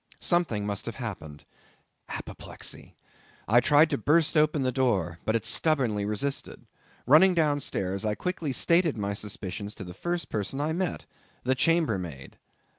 Something must have happened. Apoplexy! I tried to burst open the door; but it stubbornly resisted. Running down stairs, I quickly stated my suspicions to the first person I met—the chamber maid.